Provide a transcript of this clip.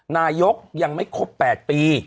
นายกยังไม่ครบ๘ปี